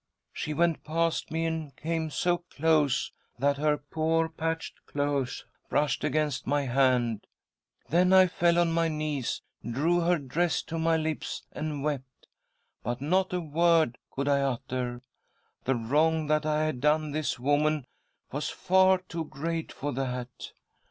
She went past me and came so close that her poor patched clothes brushed against my hand. Then I fell on my knees, drew her dress to my lips, and wept, but not a word could I utter— the wrong that I had done this woman was far too great for that.